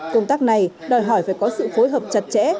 công tác này đòi hỏi phải có sự phối hợp chặt chẽ